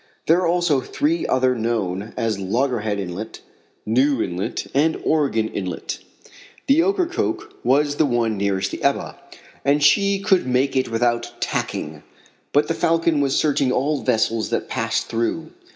There are also three others known as Logger Head inlet, New inlet, and Oregon inlet. The Ocracoke was the one nearest the Ebba, and she could make it without tacking, but the Falcon was searching all vessels that passed through.